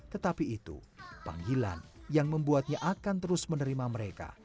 tetapi itu panggilan yang membuatnya akan terus menerima mereka